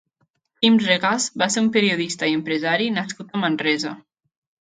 Quim Regàs va ser un periodista i empresari nascut a Manresa.